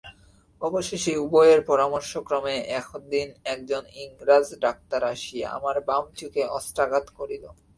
অবশেষে উভয়ের পরামর্শক্রমে এখদিন একজন ইংরাজ ডাক্তার আসিয়া আমার বাম চোখে অস্ত্রাঘাত করিল।